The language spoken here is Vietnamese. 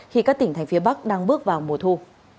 khi các tỉnh thành phía bắc đang bước vào mùa thu